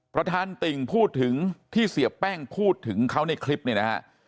ประธานติ่งพูดถึงที่เสียแป้งพูดถึงเขาในคลิปเนี่ยนะฮะ